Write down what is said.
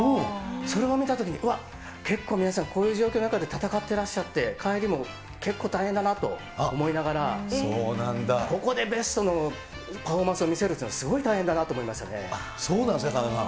それを見たときに、うわっ、結構皆さん、こういう状況の中で戦ってらっしゃって、帰りも結構大変だなと思いながら、ここでベストのパフォーマンスを見せるっていうのは、すごい大変そうなんですか、田中さん。